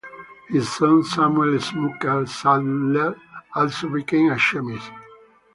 His son, Samuel Schmucker Sadtler, also became a chemist.